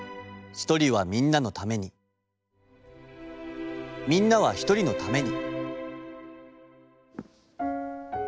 「一人はみんなのためにみんなは一人のために」。